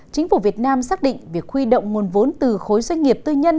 chính phủ việt nam xác định việc huy động nguồn vốn từ khối doanh nghiệp tư nhân